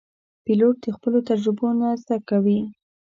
پیلوټ د خپلو تجربو نه زده کوي.